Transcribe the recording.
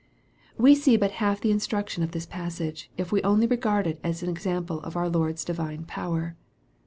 We see but half the instruction of this passage, if we only regard it as an example of our Lord's divine power.